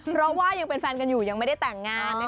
เพราะว่ายังเป็นแฟนกันอยู่ยังไม่ได้แต่งงาน